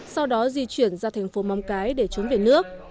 sau đó di chuyển ra thành phố móng cái để trốn về nước